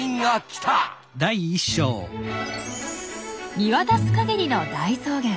見渡すかぎりの大草原。